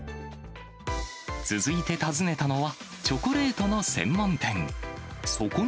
続いて訪ねたのは、チョコレートの専門店。